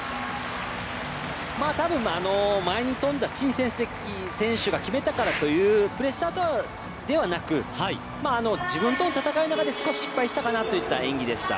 多分前に飛んだ陳芋汐選手が決めたからというプレッシャーではなく自分との戦いの中で少し失敗したかなという演技でした。